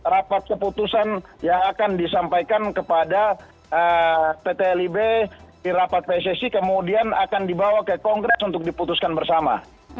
rapat keputusan yang akan disampaikan kepada pt lib di rapat pssi kemudian akan dibawa ke kongres untuk diputuskan bersama